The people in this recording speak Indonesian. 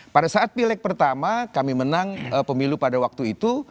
pada saat pileg pertama kami menang pemilu pada waktu itu